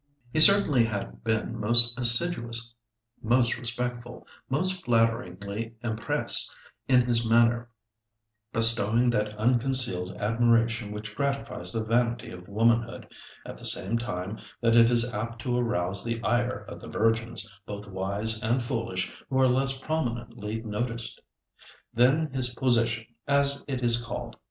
He certainly had been most assiduous, most respectful, most flatteringly empresse in his manner, bestowing that unconcealed admiration which gratifies the vanity of womanhood, at the same time that it is apt to arouse the ire of the virgins, both wise and foolish, who are less prominently noticed. Then his "position," as it is called.